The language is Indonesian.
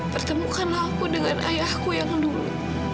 pertemukanlah aku dengan ayahku yang dulu